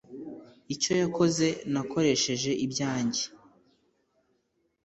Icyo yakoze Nakoresheje ibyanjye